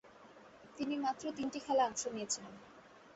তিনি মাত্র তিনটি খেলায় অংশ নিয়েছিলেন।